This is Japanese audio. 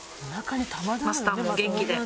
マスターも元気で。